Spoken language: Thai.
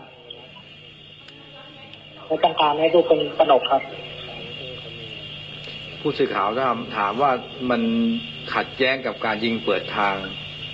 ไม่ต้องการให้ทุกคนตนกครับผู้สื่อข่าวถ้าถามว่ามันขัดแย้งกับการยิงเปิดทาง